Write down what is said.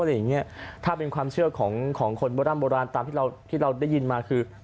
อะไรอย่างนี้ถ้าเป็นความเชื่อของคนโบราณตามที่เราได้ยินมาคือ